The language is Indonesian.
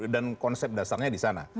dan konsep dasarnya disana